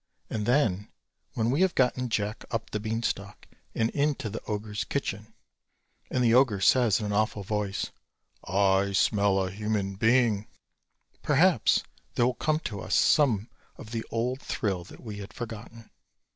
And then when we have gotten Jack up the beanstalk and into the ogre's kitchen, and the ogre says in an awful voice "I smell a human being," perhaps there will come to us some of the old thrill that we had forgotten.